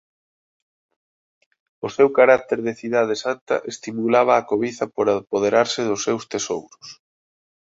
O seu carácter de cidade santa estimulaba a cobiza por apoderarse dos seus tesouros.